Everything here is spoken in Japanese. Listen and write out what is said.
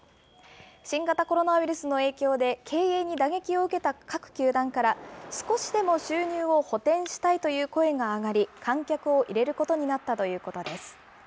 新型コロナウイルスの影響で、経営に打撃を受けた各球団から、少しでも収入を補填したいという声が上がり、観客を入れることになったということです。